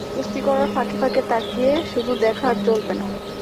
কুস্তি করার ফাঁকে ফাঁকে তাকিয়ে শুধু দেখা আর চলবে না।